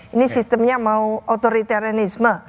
ini sistemnya mau otoriteranisme